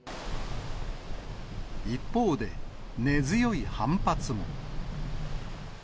一方で、根強い反発も。